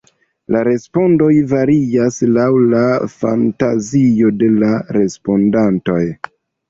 La respondoj varias laŭ la fantazio de la respondantoj.